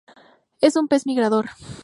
Es un pez migrador.